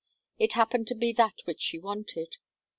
It happened to be that which she wanted.